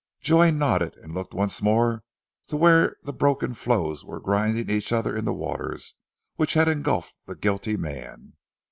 Joy nodded, and looked once more to where the broken floes were grinding each other in the waters which had engulfed the guilty man.